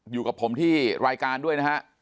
อยู่กับผมที่รายการด้วยนะฮะ